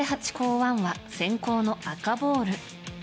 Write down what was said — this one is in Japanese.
１は先攻の赤ボール。